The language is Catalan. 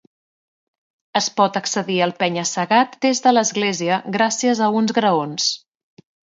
Es pot accedir al penya-segat des de l'església gràcies a uns graons.